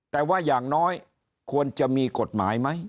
แต่ว่าอย่างน้อยควรจะมีกฎหมายไหม